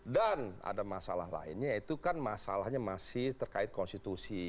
ada masalah lainnya itu kan masalahnya masih terkait konstitusi